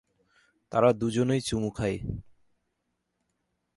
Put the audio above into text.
তারা দুজনেই চুমু খায়।